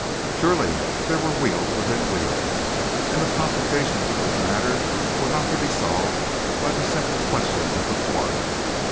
Surely there were wheels within wheels, and the complications of this matter were not to be solved by the simple questions of the coroner.